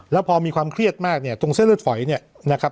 แล้วพอมีความเครียดมากเนี่ยตรงเส้นเลือดฝอยเนี่ยนะครับ